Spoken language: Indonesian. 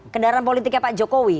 kendaraan politiknya pak jokowi